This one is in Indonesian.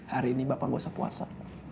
hari ini bapak gosok puasa